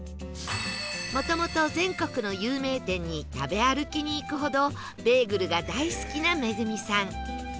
もともと全国の有名店に食べ歩きに行くほどベーグルが大好きな恵さん